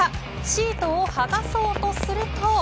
シートをはがそうとすると。